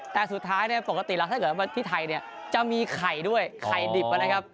แต่สุดท้ายเนี่ยปกติแล้วถ้าเกิดว่าที่ไทยเนี่ยจะมีไข่ด้วยไข่ดิบนะครับ